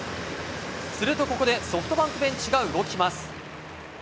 するとここでソフトバンクベンチが動きます。